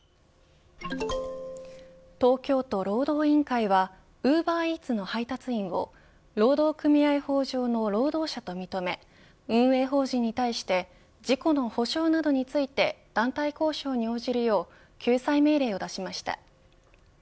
東京都労働委員会はウーバーイーツの配達員を労働組合法上の労働者と認め運営法人に対して事故の補償などについて団体交渉に応じるよう救済命令を出しました。